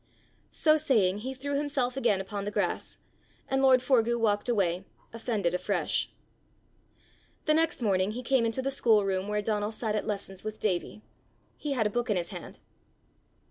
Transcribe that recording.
So saying, he threw himself again upon the grass, and lord Forgue walked away, offended afresh. The next morning he came into the school room where Donal sat at lessons with Davie. He had a book in his hand.